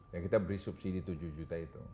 ya kita beri subsidi tujuh juta itu